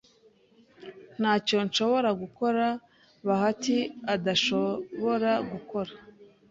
Ntacyo nshobora gukora Bahati adashobora gukora.